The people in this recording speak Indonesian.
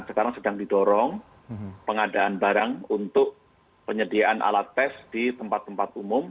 sekarang sedang didorong pengadaan barang untuk penyediaan alat tes di tempat tempat umum